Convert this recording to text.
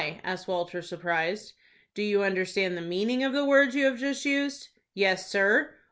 asked Walter, surprised. "Do you understand the meaning of the words you have just used?" "Yes, sir."